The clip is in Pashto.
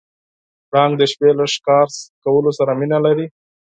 پړانګ د شپې له ښکار کولو سره مینه لري.